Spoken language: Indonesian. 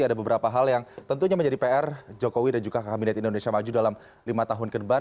ada beberapa hal yang tentunya menjadi pr jokowi dan juga kabinet indonesia maju dalam lima tahun ke depan